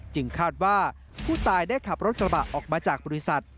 คาดว่าผู้ตายได้ขับรถกระบะออกมาจากบริษัท